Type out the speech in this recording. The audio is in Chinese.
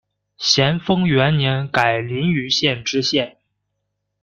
咸丰元年改临榆县知县。